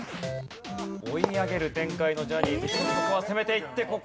追い上げる展開のジャニーズひとつここは攻めていって。